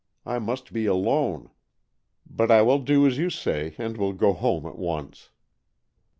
I must be alone. But I will do as you say, and will go home at once.